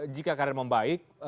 jika karir membaik